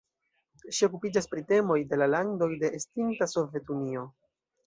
Ŝi okupiĝas pri temoj de la landoj de estinta Sovetunio.